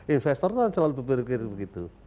investor itu selalu berpikir begitu